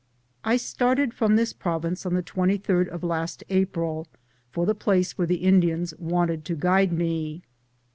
I started from this province on the 23d of last April, for the place where the Indians wanted to guide me.